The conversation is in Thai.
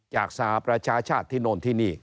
สหประชาชาติที่โน่นที่นี่